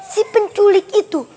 si penculik itu